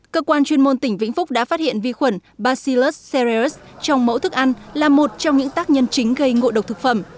cơ quan chuyên môn tỉnh vĩnh phúc đã phát hiện vi khuẩn bacillus cerus trong mẫu thức ăn là một trong những tác nhân chính gây ngộ độc thực phẩm